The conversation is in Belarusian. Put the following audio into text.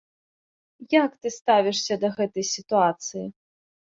Як ты ставішся да гэтае сітуацыі?